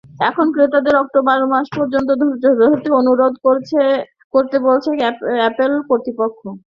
এখন ক্রেতাদের অক্টোবর মাস পর্যন্ত ধৈর্য ধরতে অনুরোধ করতে বলছে অ্যাপল কর্তৃপক্ষ।